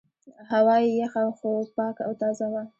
هوا یې یخه خو پاکه او تازه وه.